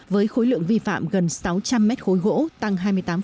với khối lượng vi phạm gần sáu trăm linh m ba gỗ tăng hai mươi tám